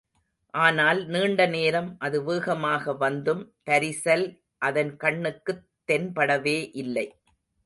ஆனால், நீண்ட நேரம் அது வேகமாக வந்தும் பரிசல் அதன் கண்ணுக்குத் தென்படவே இல்லை.